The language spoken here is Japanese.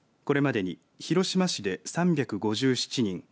これまでに広島市で３５７人